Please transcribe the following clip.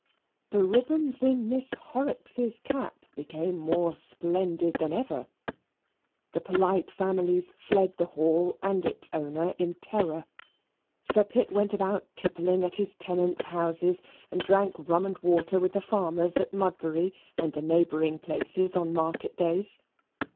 The ribbons in Miss Horrocks's cap became more splendid than ever. The polite families fled the hall and its owner in terror. Sir Pitt went about tippling at his tenants' houses; and drank rum and water with the farmers at Mudbury and the neighbouring places on market days.